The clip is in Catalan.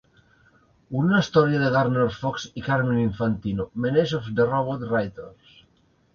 Una història de Gardner Fox i Carmine Infantino, "Menace of the Robot Raiders!"